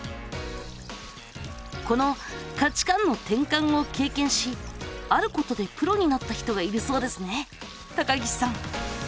この「価値観の転換」を経験しあることで「プロ」になった人がいるそうですね高岸さん。